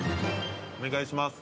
お願いします。